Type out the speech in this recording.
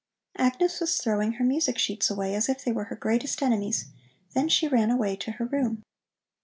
'" Agnes was throwing her music sheets away as if they were her greatest enemies; then she ran away to her room.